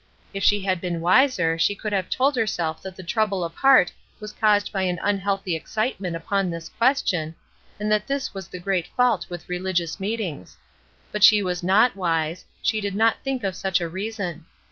If she had been wiser she could have told herself that the trouble of heart was caused by an unhealthy excitement upon this question, and that this was the great fault with religious meetings; but she was not wise, she did not think of such a reason.